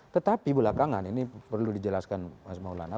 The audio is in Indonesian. tetapi belakangan ini perlu dijelaskan mas maulana